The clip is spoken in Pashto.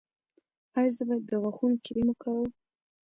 ایا زه باید د غاښونو کریم وکاروم؟